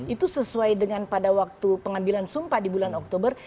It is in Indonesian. itu sesuai dengan pada waktu pengambilan sumpah di bulan oktober